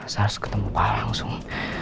saya harus ketemu pak langsung